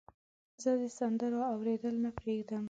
زه د سندرو اوریدل نه پرېږدم.